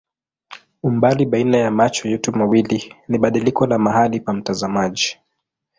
Umbali baina ya macho yetu mawili ni badiliko la mahali pa mtazamaji.